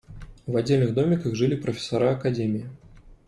В отдельных домиках жили профессора академии.